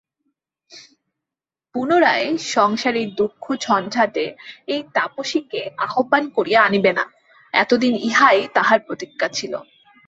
পুনরায় সংসারেরদুঃখ-ঝঞ্ঝাটে সেই তাপসীকে আহ্বান করিয়া আনিবে না, এতদিন ইহাই তাহার প্রতিজ্ঞা ছিল।